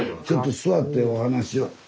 ちょっと座ってお話を。